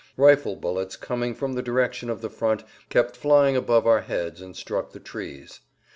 Rifle bullets coming from the direction of the front kept flying above our heads and struck the trees.